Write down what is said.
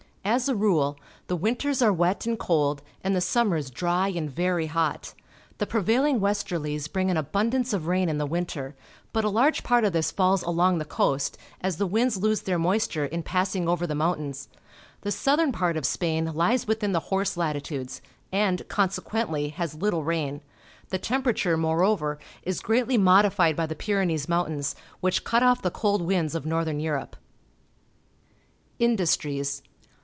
As a rule, the winters are wet and cold and the summers dry and very hot. The prevailing westerlies bring an abundance of rain in the winter, but a large part of this falls along the coast, as the winds lose their moisture in passing over the mountains. The southern part of Spain lies within the horse latitudes, and, consequently, has little rain. The temperature, moreover, is greatly modified by the Pyrenees Mountains, which cut off the cold winds of northern Europe. Industries.